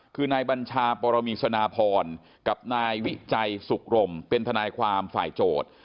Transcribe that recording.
คือนายบัญชาปรมีสนาพรกับนายวิจัยสุขรมเป็นทนายความฝ่ายโจทย์